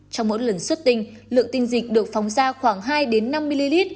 trong mỗi lần xuất tinh lượng tinh dịch được phóng ra khoảng hai năm ml